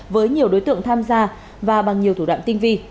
với nhiều đối tượng tham gia và bằng nhiều thủ đoạn tinh vi